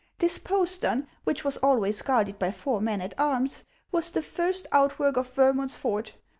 This postern, which was always guarded by four men at arms, was the first outwork of Vermund's fort.